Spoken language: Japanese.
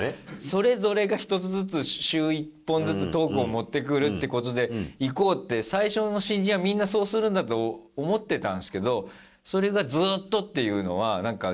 それぞれが１つずつ週１本ずつトークを持ってくるって事でいこうって最初の新人はみんなそうするんだと思ってたんですけど。